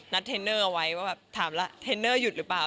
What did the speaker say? เทรนเนอร์เอาไว้ว่าแบบถามแล้วเทรนเนอร์หยุดหรือเปล่า